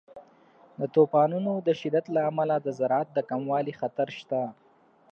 د طوفانونو د شدت له امله د زراعت د کموالي خطر شته.